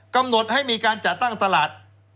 กำหนดให้มีการจัดตั้งตลาด